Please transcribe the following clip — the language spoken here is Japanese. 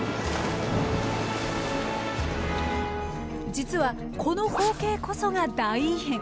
実はこの光景こそが大異変。